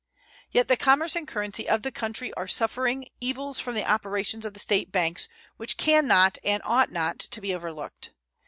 Yet the commerce and currency of the country are suffering evils from the operations of the State banks which can not and ought not to be overlooked.